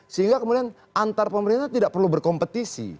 sehingga kemudian antar pemerintah tidak perlu berkompetisi